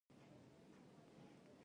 د ایران دښتې پراخې دي.